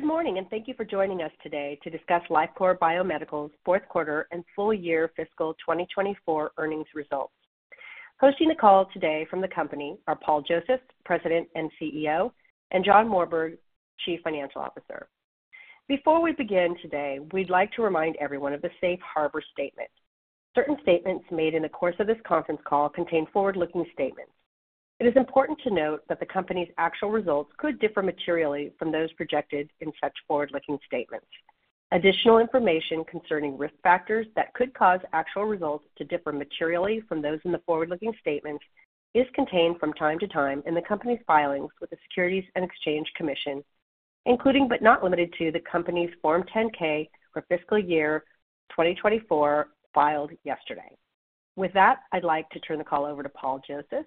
Good morning, and thank you for joining us today to discuss Lifecore Biomedical's fourth quarter and full year fiscal 2024 earnings results. Hosting the call today from the company are Paul Josephs, President and CEO, and John Morberg, Chief Financial Officer. Before we begin today, we'd like to remind everyone of the safe harbor statement. Certain statements made in the course of this conference call contain forward-looking statements. It is important to note that the company's actual results could differ materially from those projected in such forward-looking statements. Additional information concerning risk factors that could cause actual results to differ materially from those in the forward-looking statements is contained from time to time in the company's filings with the Securities and Exchange Commission, including, but not limited to, the company's Form 10-K for fiscal year 2024, filed yesterday. With that, I'd like to turn the call over to Paul Josephs,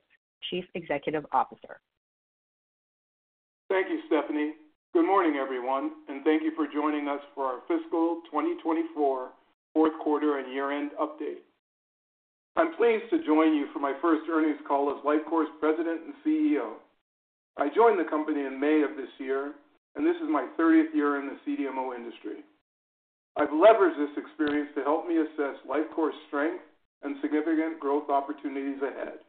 Chief Executive Officer. Thank you, Stephanie. Good morning, everyone, and thank you for joining us for our fiscal 2024 fourth quarter and year-end update. I'm pleased to join you for my first earnings call as Lifecore's President and CEO. I joined the company in May of this year, and this is my 30th year in the CDMO industry. I've leveraged this experience to help me assess Lifecore's strength and significant growth opportunities ahead.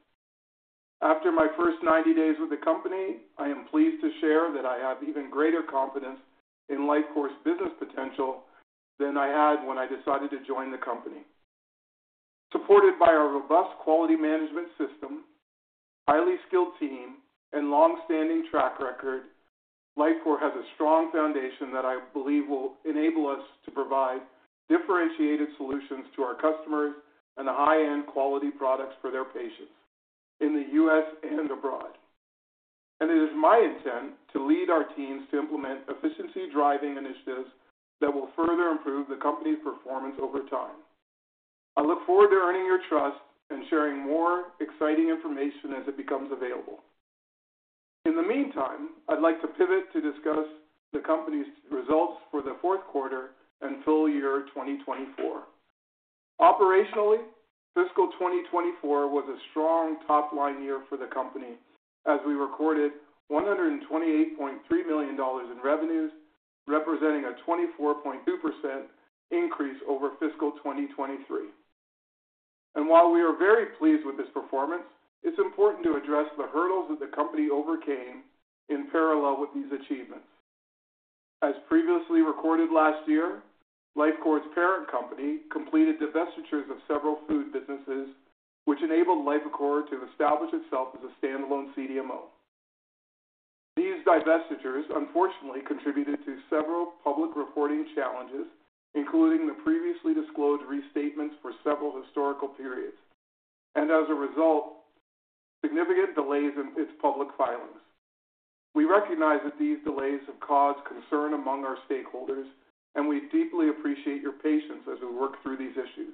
After my first 90 days with the company, I am pleased to share that I have even greater confidence in Lifecore's business potential than I had when I decided to join the company. Supported by our robust quality management system, highly skilled team, and long-standing track record, Lifecore has a strong foundation that I believe will enable us to provide differentiated solutions to our customers and high-end quality products for their patients in the U.S. and abroad. It is my intent to lead our teams to implement efficiency-driving initiatives that will further improve the company's performance over time. I look forward to earning your trust and sharing more exciting information as it becomes available. In the meantime, I'd like to pivot to discuss the company's results for the fourth quarter and full year 2024. Operationally, fiscal 2024 was a strong top-line year for the company, as we recorded $128.3 million in revenues, representing a 24.2% increase over fiscal 2023. While we are very pleased with this performance, it is important to address the hurdles that the company overcame in parallel with these achievements. As previously recorded last year, Lifecore's parent company completed divestitures of several food businesses, which enabled Lifecore to establish itself as a standalone CDMO. These divestitures unfortunately contributed to several public reporting challenges, including the previously disclosed restatements for several historical periods, and as a result, significant delays in its public filings. We recognize that these delays have caused concern among our stakeholders, and we deeply appreciate your patience as we work through these issues.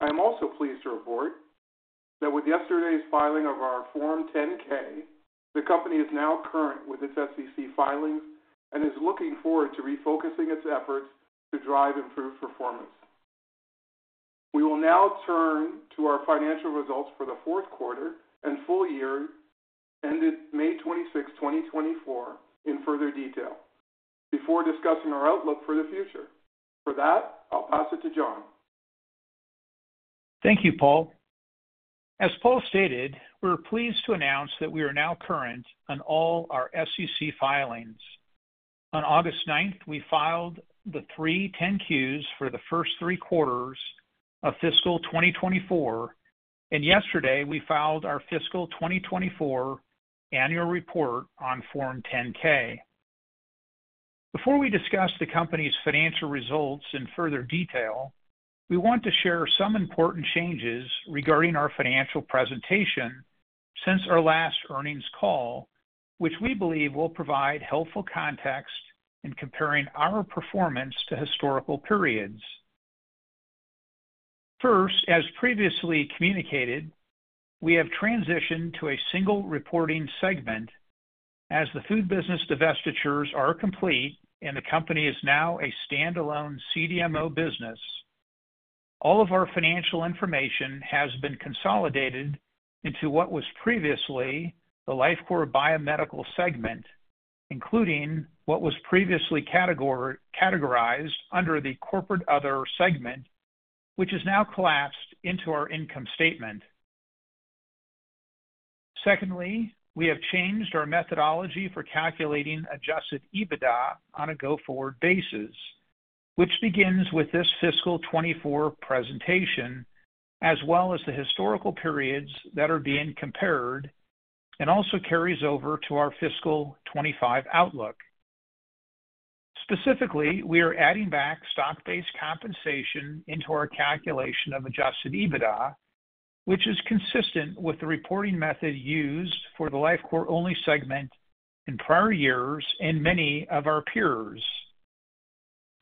I am also pleased to report that with yesterday's filing of our Form 10-K, the company is now current with its SEC filings and is looking forward to refocusing its efforts to drive improved performance. We will now turn to our financial results for the fourth quarter and full year, ended May 26, 2024, in further detail before discussing our outlook for the future. For that, I'll pass it to John. Thank you, Paul. As Paul stated, we're pleased to announce that we are now current on all our SEC filings. On August 9th, we filed the three 10-Qs for the first three quarters of fiscal 2024, and yesterday we filed our fiscal 2024 annual report on Form 10-K. Before we discuss the company's financial results in further detail, we want to share some important changes regarding our financial presentation since our last earnings call, which we believe will provide helpful context in comparing our performance to historical periods. First, as previously communicated, we have transitioned to a single reporting segment, as the food business divestitures are complete and the company is now a standalone CDMO business. All of our financial information has been consolidated into what was previously the Lifecore Biomedical segment, including what was previously categorized under the Corporate Other segment, which is now collapsed into our income statement. Secondly, we have changed our methodology for calculating Adjusted EBITDA on a go-forward basis, which begins with this fiscal twenty-four presentation, as well as the historical periods that are being compared, and also carries over to our fiscal twenty-five outlook. Specifically, we are adding back stock-based compensation into our calculation of Adjusted EBITDA, which is consistent with the reporting method used for the Lifecore-only segment in prior years and many of our peers.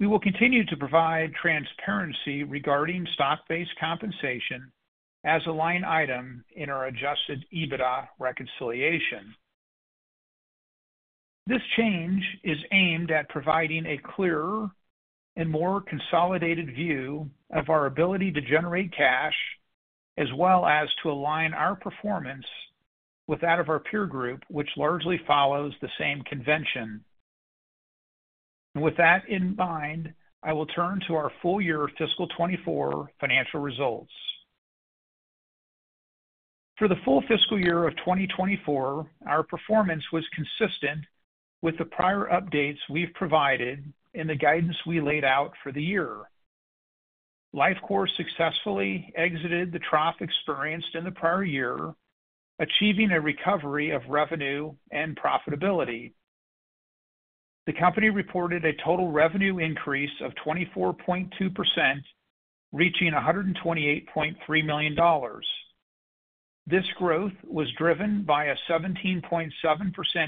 We will continue to provide transparency regarding stock-based compensation as a line item in our Adjusted EBITDA reconciliation. This change is aimed at providing a clearer and more consolidated view of our ability to generate cash, as well as to align our performance with that of our peer group, which largely follows the same convention. With that in mind, I will turn to our full-year fiscal 2024 financial results. For the full fiscal year of 2024, our performance was consistent with the prior updates we've provided and the guidance we laid out for the year. Lifecore successfully exited the trough experienced in the prior year, achieving a recovery of revenue and profitability. The company reported a total revenue increase of 24.2%, reaching $128.3 million. This growth was driven by a 17.7%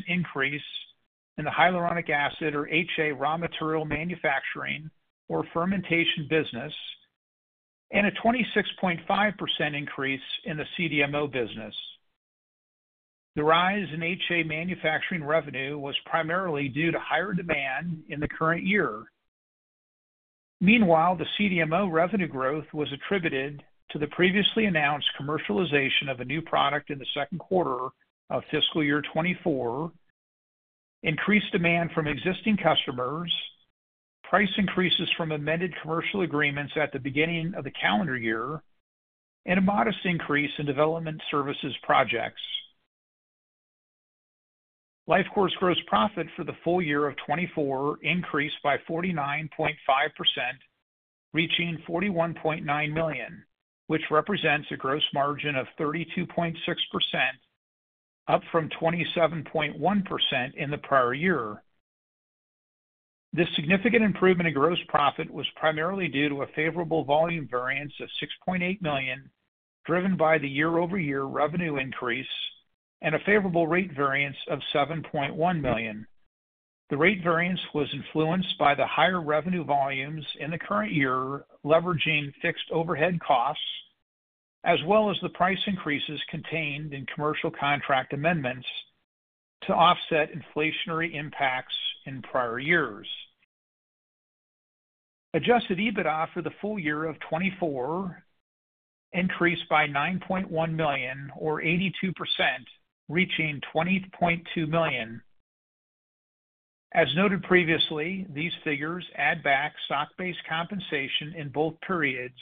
increase in the hyaluronic acid, or HA, raw material manufacturing or fermentation business, and a 26.5% increase in the CDMO business. The rise in HA manufacturing revenue was primarily due to higher demand in the current year. Meanwhile, the CDMO revenue growth was attributed to the previously announced commercialization of a new product in the second quarter of fiscal year 2024, increased demand from existing customers, price increases from amended commercial agreements at the beginning of the calendar year, and a modest increase in development services projects. Lifecore's gross profit for the full year of 2024 increased by 49.5%, reaching $41.9 million, which represents a gross margin of 32.6%, up from 27.1% in the prior year. This significant improvement in gross profit was primarily due to a favorable volume variance of $6.8 million, driven by the year-over-year revenue increase and a favorable rate variance of $7.1 million. The rate variance was influenced by the higher revenue volumes in the current year, leveraging fixed overhead costs, as well as the price increases contained in commercial contract amendments to offset inflationary impacts in prior years. Adjusted EBITDA for the full year of 2024 increased by $9.1 million, or 82%, reaching $20.2 million. As noted previously, these figures add back stock-based compensation in both periods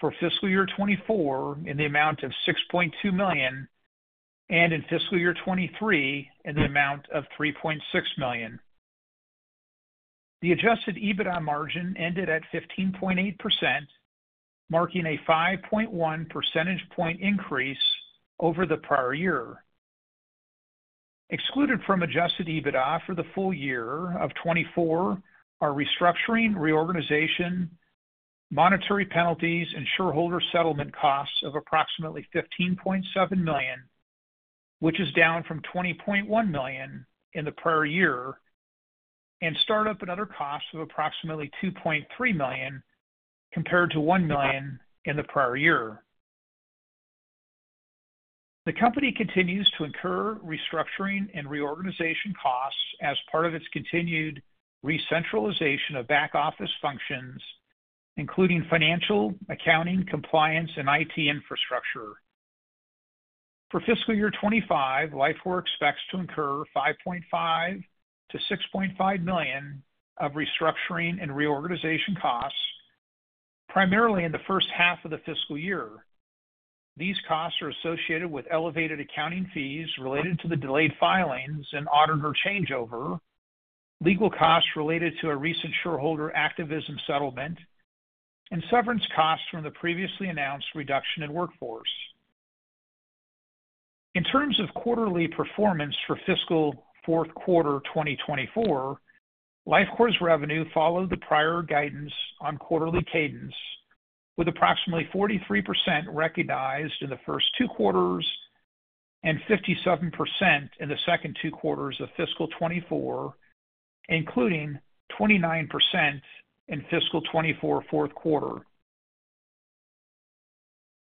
for fiscal year 2024 in the amount of $6.2 million and in fiscal year 2023 in the amount of $3.6 million. The adjusted EBITDA margin ended at 15.8%, marking a 5.1 percentage point increase over the prior year. Excluded from Adjusted EBITDA for the full year of 2024 are restructuring, reorganization, monetary penalties, and shareholder settlement costs of approximately $15.7 million, which is down from $20.1 million in the prior year, and startup and other costs of approximately $2.3 million, compared to $1 million in the prior year. The company continues to incur restructuring and reorganization costs as part of its continued recentralization of back-office functions, including financial, accounting, compliance, and IT infrastructure. For fiscal year 2025, Lifecore expects to incur $5.5-$6.5 million of restructuring and reorganization costs, primarily in the first half of the fiscal year. These costs are associated with elevated accounting fees related to the delayed filings and auditor changeover, legal costs related to a recent shareholder activism settlement, and severance costs from the previously announced reduction in workforce. In terms of quarterly performance for fiscal fourth quarter 2024, Lifecore's revenue followed the prior guidance on quarterly cadence, with approximately 43% recognized in the first two quarters and 57% in the second two quarters of fiscal 2024, including 29% in fiscal 2024 fourth quarter.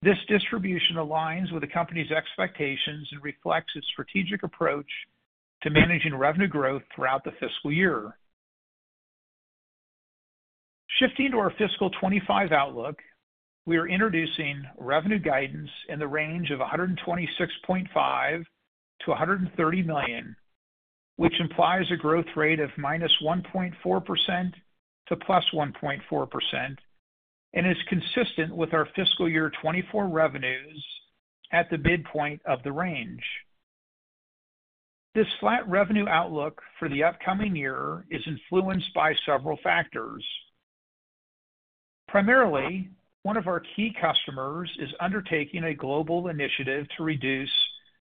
This distribution aligns with the company's expectations and reflects its strategic approach to managing revenue growth throughout the fiscal year. Shifting to our fiscal 2025 outlook, we are introducing revenue guidance in the range of $126.5-$130 million, which implies a growth rate of -1.4% to +1.4% and is consistent with our fiscal year 2024 revenues at the midpoint of the range. This flat revenue outlook for the upcoming year is influenced by several factors. Primarily, one of our key customers is undertaking a global initiative to reduce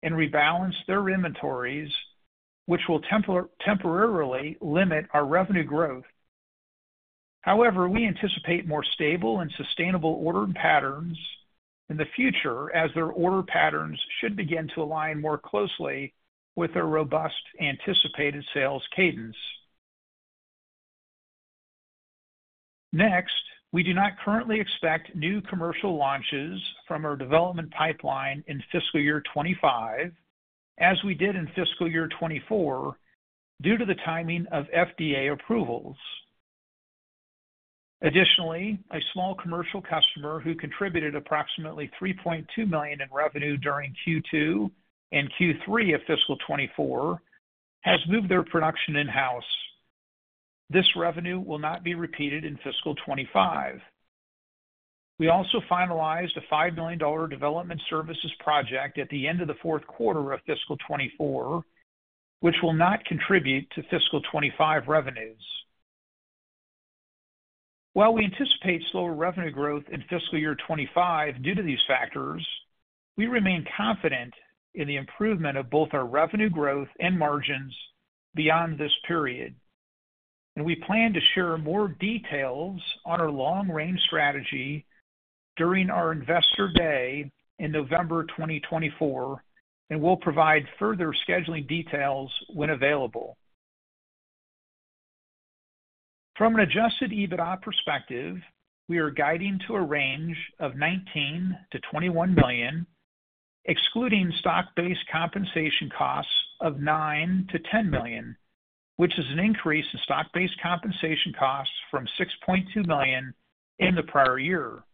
and rebalance their inventories, which will temporarily limit our revenue growth. However, we anticipate more stable and sustainable ordering patterns in the future, as their order patterns should begin to align more closely with their robust anticipated sales cadence. Next, we do not currently expect new commercial launches from our development pipeline in fiscal year 2025, as we did in fiscal year 2024, due to the timing of FDA approvals. Additionally, a small commercial customer who contributed approximately $3.2 million in revenue during Q2 and Q3 of fiscal 2024, has moved their production in-house. This revenue will not be repeated in fiscal 2025. We also finalized a $5 million development services project at the end of the fourth quarter of fiscal 2024, which will not contribute to fiscal 2025 revenues. While we anticipate slower revenue growth in fiscal year 2025 due to these factors, we remain confident in the improvement of both our revenue growth and margins beyond this period, and we plan to share more details on our long-range strategy during our Investor Day in November 2024, and we'll provide further scheduling details when available. From an Adjusted EBITDA perspective, we are guiding to a range of $19 million-$21 million, excluding stock-based compensation costs of $9 million-$10 million, which is an increase in stock-based compensation costs from $6.2 million in the prior year.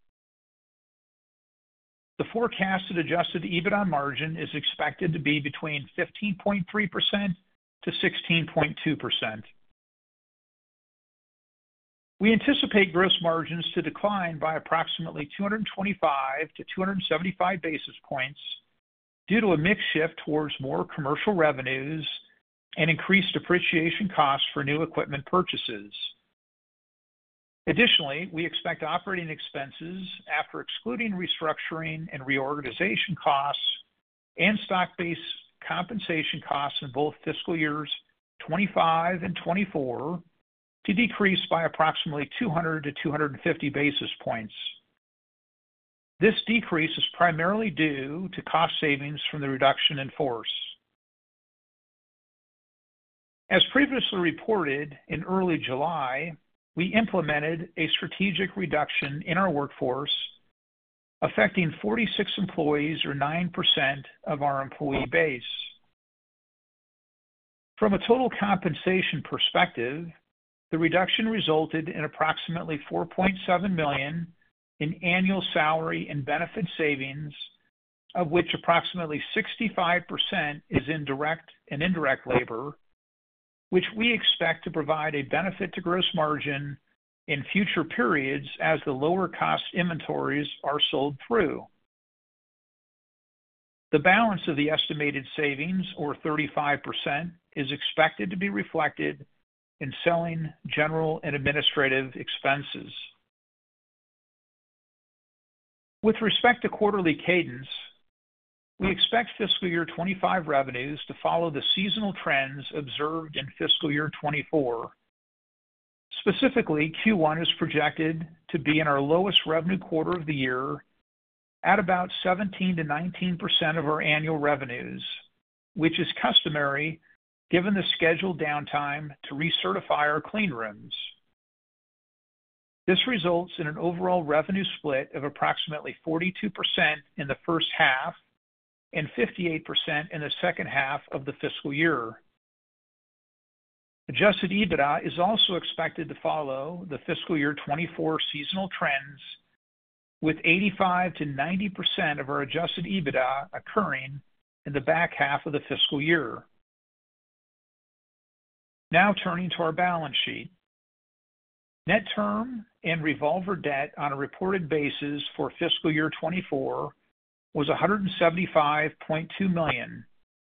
The forecasted Adjusted EBITDA margin is expected to be between 15.3%-16.2%. We anticipate gross margins to decline by approximately 225-275 basis points due to a mix shift towards more commercial revenues and increased depreciation costs for new equipment purchases. Additionally, we expect operating expenses after excluding restructuring and reorganization costs and stock-based compensation costs in both fiscal years 2025 and 2024, to decrease by approximately 200-250 basis points. This decrease is primarily due to cost savings from the reduction in force. As previously reported, in early July, we implemented a strategic reduction in our workforce, affecting 46 employees, or 9% of our employee base. From a total compensation perspective, the reduction resulted in approximately $4.7 million in annual salary and benefit savings, of which approximately 65% is in direct and indirect labor, which we expect to provide a benefit to gross margin in future periods as the lower-cost inventories are sold through. The balance of the estimated savings, or 35%, is expected to be reflected in selling general and administrative expenses. With respect to quarterly cadence, we expect fiscal year 2025 revenues to follow the seasonal trends observed in fiscal year 2024. Specifically, Q1 is projected to be in our lowest revenue quarter of the year at about 17%-19% of our annual revenues, which is customary given the scheduled downtime to recertify our clean rooms. This results in an overall revenue split of approximately 42% in the first half and 58% in the second half of the fiscal year. Adjusted EBITDA is also expected to follow the fiscal year 2024 seasonal trends, with 85%-90% of our adjusted EBITDA occurring in the back half of the fiscal year. Now turning to our balance sheet. Net term and revolver debt on a reported basis for fiscal year 2024 was $175.2 million,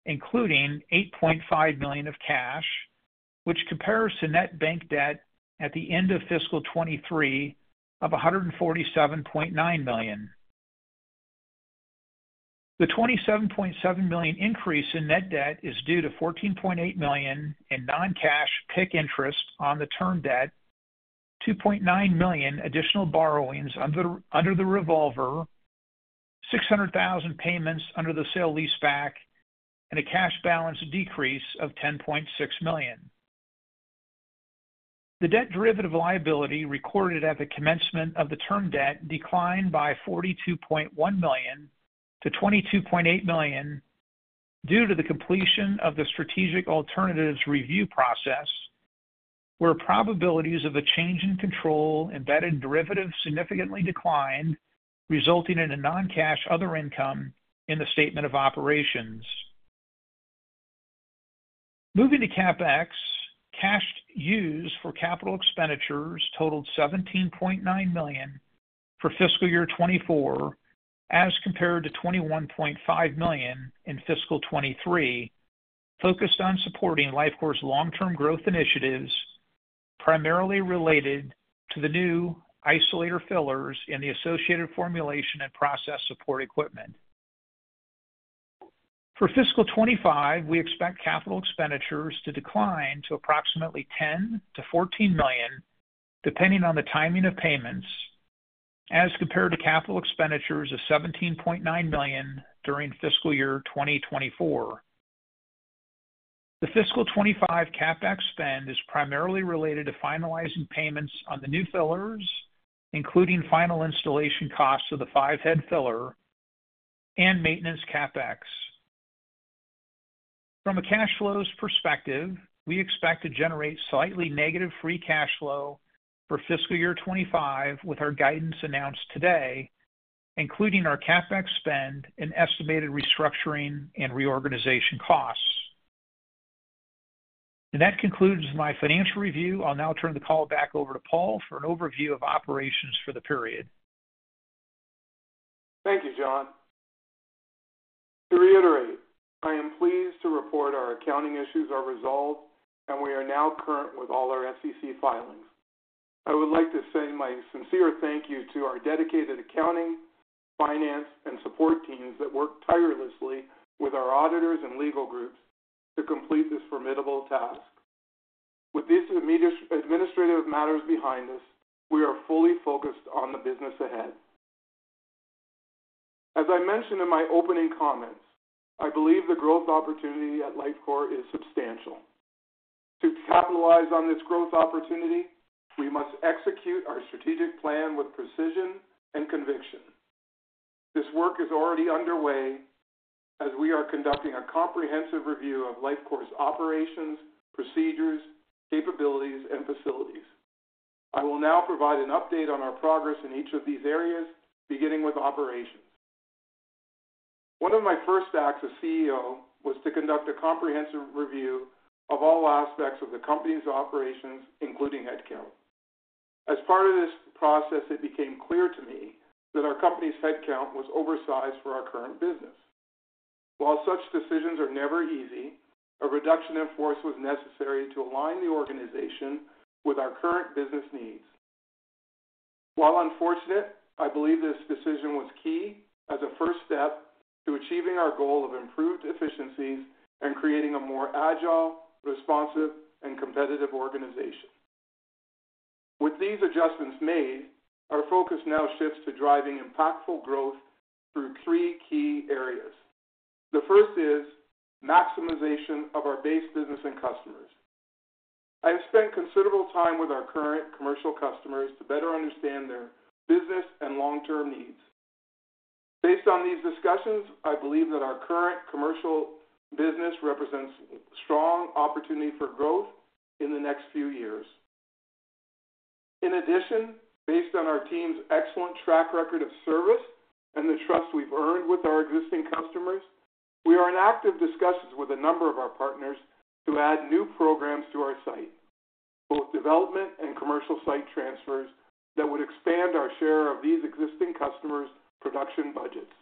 including $8.5 million of cash, which compares to net bank debt at the end of fiscal 2023 of $147.9 million. The $27.7 million increase in net debt is due to $14.8 million in non-cash PIK interest on the term debt, $2.9 million additional borrowings under the revolver, $600,000 payments under the sale leaseback, and a cash balance decrease of $10.6 million. The debt derivative liability recorded at the commencement of the term debt declined by $42.1 million to $22.8 million due to the completion of the strategic alternatives review process, where probabilities of a change in control embedded derivative significantly declined, resulting in a non-cash other income in the statement of operations. Moving to CapEx, cash used for capital expenditures totaled $17.9 million for fiscal year 2024, as compared to $21.5 million in fiscal 2023, focused on supporting Lifecore's long-term growth initiatives, primarily related to the new isolator fillers and the associated formulation and process support equipment. For fiscal 2025, we expect capital expenditures to decline to approximately $10 million-$14 million, depending on the timing of payments, as compared to capital expenditures of $17.9 million during fiscal year 2024. The fiscal 2025 CapEx spend is primarily related to finalizing payments on the new fillers, including final installation costs of the five-head filler and maintenance CapEx. From a cash flows perspective, we expect to generate slightly negative free cash flow for fiscal year 2025, with our guidance announced today, including our CapEx spend and estimated restructuring and reorganization costs. That concludes my financial review. I'll now turn the call back over to Paul for an overview of operations for the period. Thank you, John. To reiterate, I am pleased to report our accounting issues are resolved, and we are now current with all our SEC filings. I would like to say my sincere thank you to our dedicated accounting, finance, and support teams that worked tirelessly with our auditors and legal groups to complete this formidable task. With these administrative matters behind us, we are fully focused on the business ahead. As I mentioned in my opening comments, I believe the growth opportunity at Lifecore is substantial. To capitalize on this growth opportunity, we must execute our strategic plan with precision and conviction. This work is already underway as we are conducting a comprehensive review of Lifecore's operations, procedures, capabilities, and facilities. I will now provide an update on our progress in each of these areas, beginning with operations. One of my first acts as CEO was to conduct a comprehensive review of all aspects of the company's operations, including headcount. As part of this process, it became clear to me that our company's headcount was oversized for our current business. While such decisions are never easy, a reduction in force was necessary to align the organization with our current business needs. While unfortunate, I believe this decision was key as a first step to achieving our goal of improved efficiencies and creating a more agile, responsive, and competitive organization. With these adjustments made, our focus now shifts to driving impactful growth through three key areas. The first is maximization of our base business and customers. I have spent considerable time with our current commercial customers to better understand their business and long-term needs. Based on these discussions, I believe that our current commercial business represents strong opportunity for growth in the next few years. In addition, based on our team's excellent track record of service and the trust we've earned with our existing customers, we are in active discussions with a number of our partners to add new programs to our site, both development and commercial site transfers, that would expand our share of these existing customers' production budgets.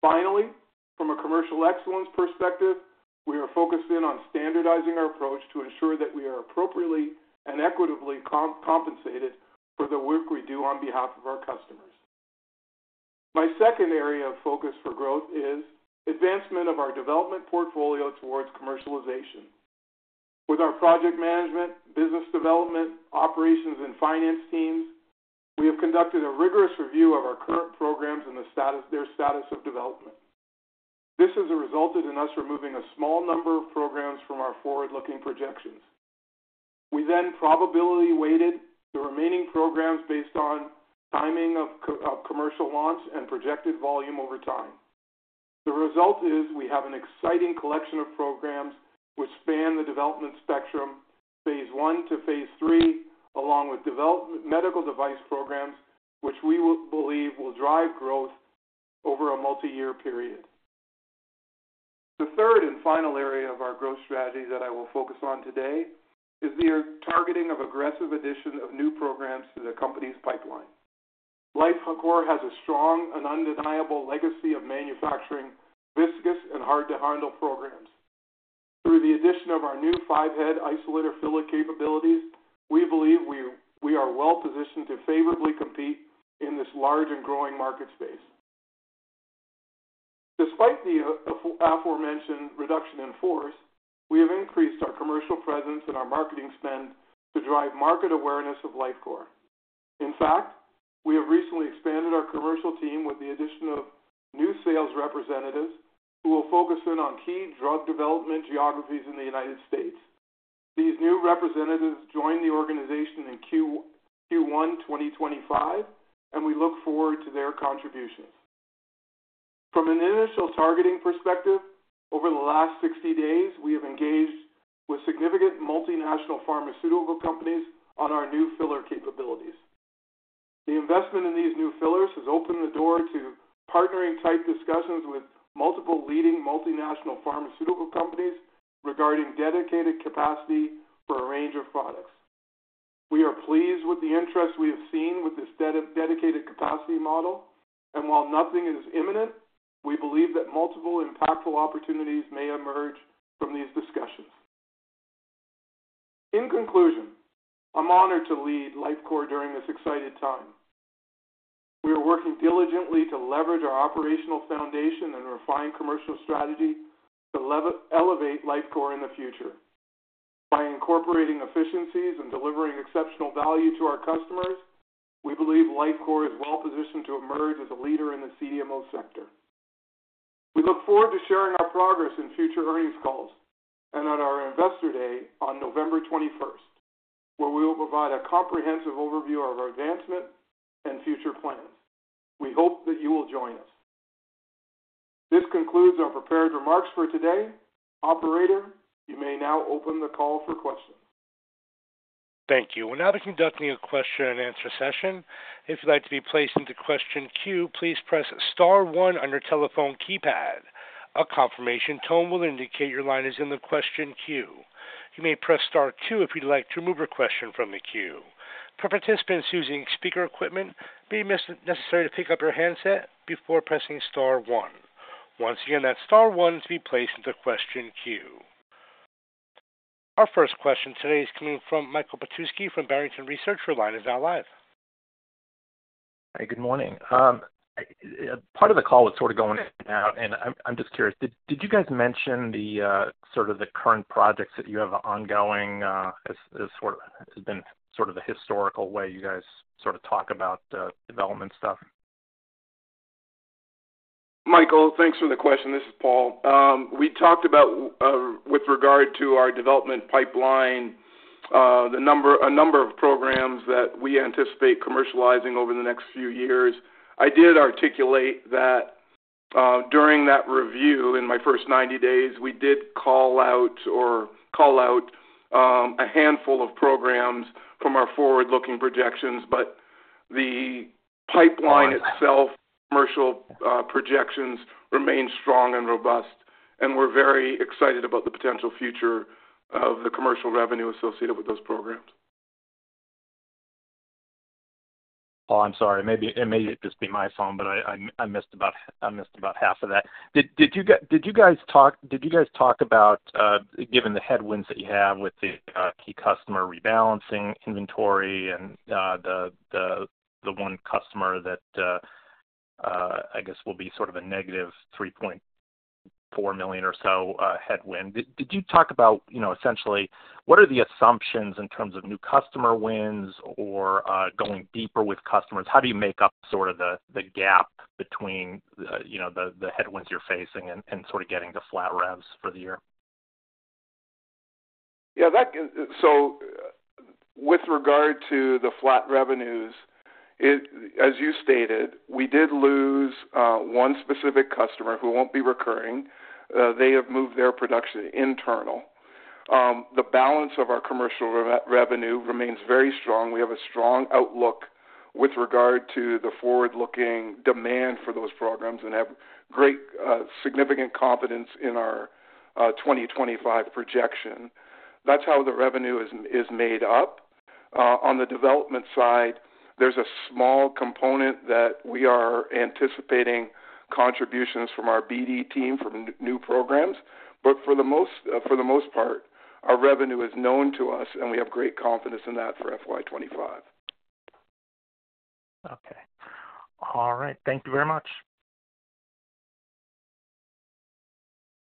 Finally, from a commercial excellence perspective, we are focused in on standardizing our approach to ensure that we are appropriately and equitably compensated for the work we do on behalf of our customers. My second area of focus for growth is advancement of our development portfolio towards commercialization. With our project management, business development, operations, and finance teams, we have conducted a rigorous review of our current programs and the status of development. This has resulted in us removing a small number of programs from our forward-looking projections. We then probability-weighted the remaining programs based on timing of commercial launch and projected volume over time. The result is we have an exciting collection of programs which span the development spectrum, phase one to phase three, along with development medical device programs, which we will believe will drive growth over a multi-year period. The third and final area of our growth strategy that I will focus on today is the targeting of aggressive addition of new programs to the company's pipeline. Lifecore has a strong and undeniable legacy of manufacturing viscous and hard-to-handle programs. Through the addition of our new five-head isolator filler capabilities, we believe we are well positioned to favorably compete in this large and growing market space. Despite the aforementioned reduction in force, we have increased our commercial presence and our marketing spend to drive market awareness of Lifecore. In fact, we have recently expanded our commercial team with the addition of new sales representatives, who will focus in on key drug development geographies in the United States. These new representatives joined the organization in Q1 2025, and we look forward to their contributions. From an initial targeting perspective, over the last sixty days, we have engaged with significant multinational pharmaceutical companies on our new filler capabilities. The investment in these new fillers has opened the door to partnering type discussions with multiple leading multinational pharmaceutical companies regarding dedicated capacity for a range of products. We are pleased with the interest we have seen with this dedicated capacity model, and while nothing is imminent, we believe that multiple impactful opportunities may emerge from these discussions. In conclusion, I'm honored to lead Lifecore during this exciting time. We are working diligently to leverage our operational foundation and refined commercial strategy to elevate Lifecore in the future. By incorporating efficiencies and delivering exceptional value to our customers, we believe Lifecore is well positioned to emerge as a leader in the CDMO sector. We look forward to sharing our progress in future earnings calls and on our Investor Day on November 21st, where we will provide a comprehensive overview of our advancement and future plans. We hope that you will join us. This concludes our prepared remarks for today. Operator, you may now open the call for questions. Thank you. We're now conducting a question-and-answer session. If you'd like to be placed into question queue, please press star one on your telephone keypad. A confirmation tone will indicate your line is in the question queue. You may press star two if you'd like to remove a question from the queue. For participants using speaker equipment, it may be necessary to pick up your handset before pressing star one. Once again, that's star one to be placed into question queue. Our first question today is coming from Michael Petusky from Barrington Research. Your line is now live. Hi, good morning. Part of the call was sort of going in and out, and I'm just curious, did you guys mention the sort of the current projects that you have ongoing, as sort of the historical way you guys sort of talk about development stuff? Michael, thanks for the question. This is Paul. We talked about, with regard to our development pipeline, a number of programs that we anticipate commercializing over the next few years. I did articulate that, during that review in my first 90 days, we did call out a handful of programs from our forward-looking projections, but the pipeline itself, commercial projections, remain strong and robust, and we're very excited about the potential future of the commercial revenue associated with those programs. Paul, I'm sorry. Maybe it may just be my phone, but I missed about half of that. Did you guys talk about, given the headwinds that you have with the key customer rebalancing inventory and the one customer that I guess will be sort of a negative $3.4 million or so headwind? Did you talk about, you know, essentially, what are the assumptions in terms of new customer wins or going deeper with customers? How do you make up sort of the gap between the, you know, the headwinds you're facing and sort of getting to flat revs for the year? Yeah, so with regard to the flat revenues, as you stated, we did lose one specific customer who won't be recurring. They have moved their production internal. The balance of our commercial revenue remains very strong. We have a strong outlook with regard to the forward-looking demand for those programs and have great significant confidence in our 2025 projection. That's how the revenue is made up. On the development side, there's a small component that we are anticipating contributions from our BD team, from new programs, but for the most part, our revenue is known to us, and we have great confidence in that for FY 2025. Okay. All right. Thank you very much.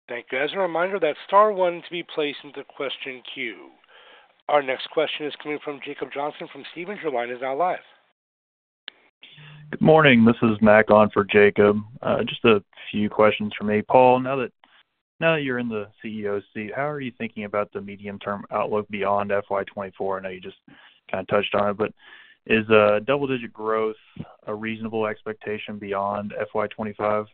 Thank you. As a reminder, that's star one to be placed into question queue. Our next question is coming from Jacob Johnson from Stephens. Your line is now live. Good morning. This is Matt, on for Jacob. Just a few questions from me. Paul, now that you're in the CEO seat, how are you thinking about the medium-term outlook beyond FY 2024? I know you just kinda touched on it, but is double-digit growth a reasonable expectation beyond FY 2025?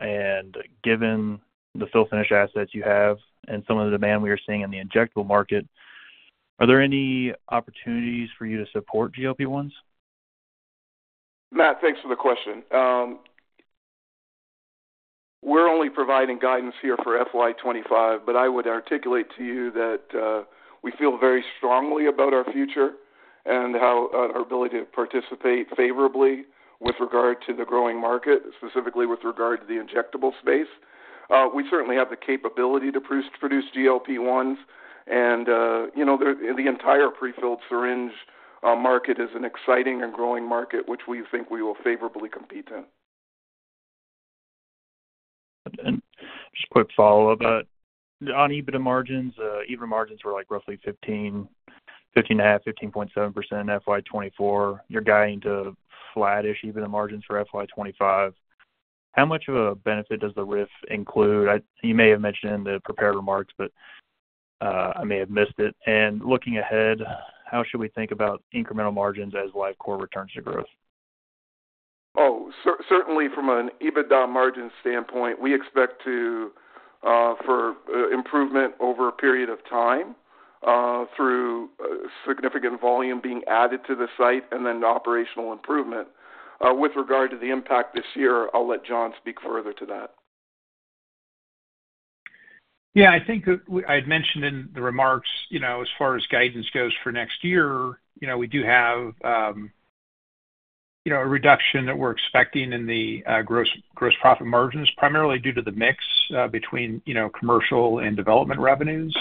And given the fill finish assets you have and some of the demand we are seeing in the injectable market, are there any opportunities for you to support GLP-1s? Matt, thanks for the question. We're only providing guidance here for FY 2025, but I would articulate to you that we feel very strongly about our future and how our ability to participate favorably with regard to the growing market, specifically with regard to the injectable space. We certainly have the capability to produce GLP-1s, and you know, the entire prefilled syringe market is an exciting and growing market, which we think we will favorably compete in. Just a quick follow-up. On EBITDA margins, EBITDA margins were like roughly 15%, 15.5%, 15.7% in FY 2024. You're guiding to flattish EBITDA margins for FY 2025. How much of a benefit does the RIF include? You may have mentioned in the prepared remarks, but I may have missed it. And looking ahead, how should we think about incremental margins as Lifecore returns to growth? Certainly from an EBITDA margin standpoint, we expect improvement over a period of time through significant volume being added to the site and then the operational improvement. With regard to the impact this year, I'll let John speak further to that. Yeah, I think I'd mentioned in the remarks, you know, as far as guidance goes for next year, you know, we do have a reduction that we're expecting in the gross profit margins, primarily due to the mix between commercial and development revenues.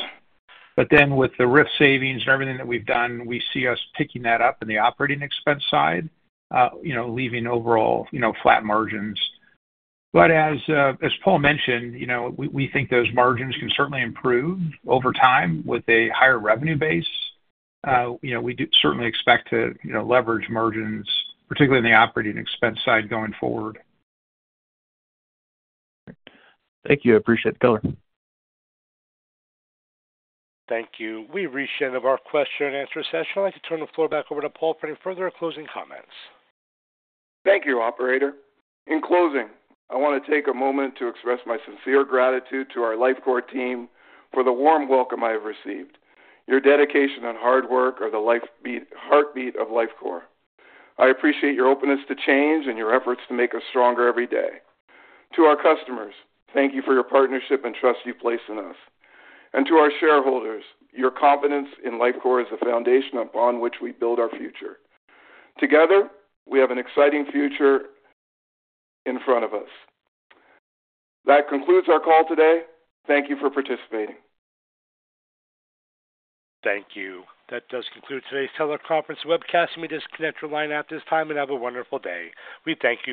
But then with the RIF savings and everything that we've done, we see us picking that up in the operating expense side, you know, leaving overall flat margins. But as Paul mentioned, you know, we think those margins can certainly improve over time with a higher revenue base. You know, we do certainly expect to leverage margins, particularly in the operating expense side, going forward. Thank you. I appreciate the color. Thank you. We've reached the end of our question-and-answer session. I'd like to turn the floor back over to Paul for any further closing comments. Thank you, operator. In closing, I want to take a moment to express my sincere gratitude to our Lifecore team for the warm welcome I have received. Your dedication and hard work are the heartbeat of Lifecore. I appreciate your openness to change and your efforts to make us stronger every day. To our customers, thank you for your partnership and trust you place in us. And to our shareholders, your confidence in Lifecore is the foundation upon which we build our future. Together, we have an exciting future in front of us. That concludes our call today. Thank you for participating. Thank you. That does conclude today's teleconference webcast. You may disconnect your line at this time and have a wonderful day. We thank you for your participation.